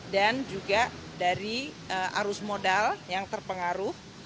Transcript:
dan juga dari arus modal yang terpengaruh